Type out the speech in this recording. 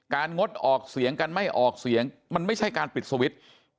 งดออกเสียงกันไม่ออกเสียงมันไม่ใช่การปิดสวิตช์